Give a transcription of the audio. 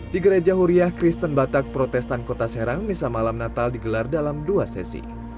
di gereja huria kristen batak protestan kota serang misa malam natal digelar dalam dua sesi